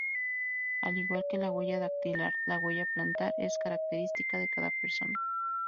Al igual que la huella dactilar, la huella plantar es característica de cada persona.